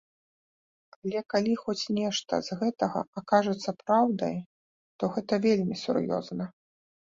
Але калі хоць нешта з гэтага акажацца праўдай, то гэта вельмі сур'ёзна.